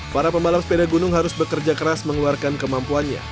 para pembalap sepeda gunung harus bekerja keras mengeluarkan kemampuannya